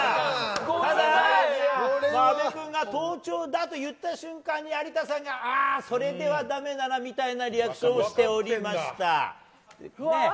ただ、阿部君がとうちょうだと言った瞬間に有田さんがそれではダメだなみたいなリアクションをしておりました。